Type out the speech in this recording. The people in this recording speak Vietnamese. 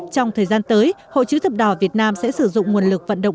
trong thời gian tới hội chữ thập đỏ việt nam sẽ sử dụng nguồn lực vận động